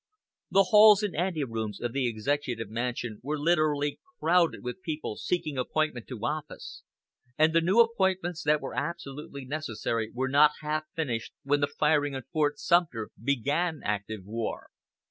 The halls and ante rooms of the Executive Mansion were literally crowded with people seeking appointment to office; and the new appointments that were absolutely necessary were not half finished when the firing on Fort Sumter began active war.